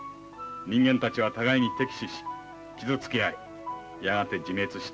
人間たちは互いに敵視し傷つけ合いやがて自滅していく。